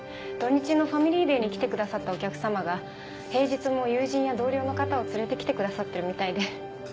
土日のファミリーデーに来てくださったお客様が平日も友人や同僚の方を連れて来てくださってるみたいで。